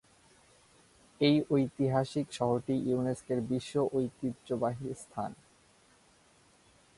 এই ঐতিহাসিক শহরটি ইউনেস্কোর বিশ্ব ঐতিহ্যবাহী স্থান।